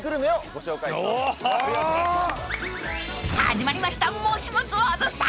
［始まりました］